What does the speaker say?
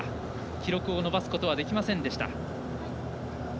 記録を伸ばすことはできませんでした。